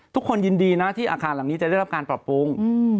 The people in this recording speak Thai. ทุกคนยินดีนะที่อาคารหลังนี้จะได้รับการปรับปรุง